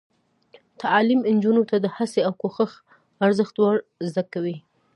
تعلیم نجونو ته د هڅې او کوشش ارزښت ور زده کوي.